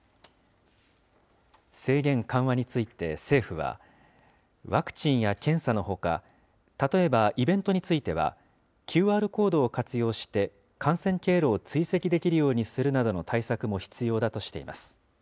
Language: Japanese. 制限緩和について政府は、ワクチンや検査のほか、例えばイベントについては、ＱＲコードを活用して感染経路を追跡できるようにするなどの対策も必要だとしています。